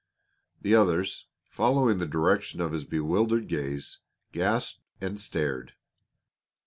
The others, following the direction of his bewildered gaze, gasped and stared.